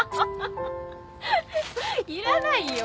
いらないよ